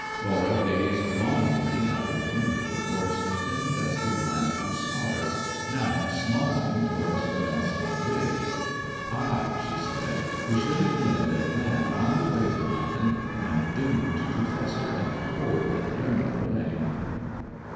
Laura gazed longingly out of the window towards the thin dusty line of Hussars, now smalling towards the Mellstock Ridge. 'I,' she said, 'who should have been in their van on the way to London, am doomed to fester in a hole in Durnover Lane!'